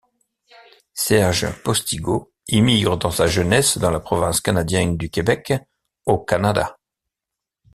Serge Postigo immigre dans sa jeunesse dans la province canadienne du Québec, au Canada.